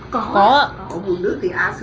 tôi đảm bảo khỏi